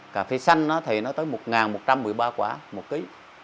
cà phê xanh thì nó tới một một trăm một mươi ba quả một ký